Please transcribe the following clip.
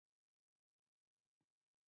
هغې تره ته اوبه وړلې.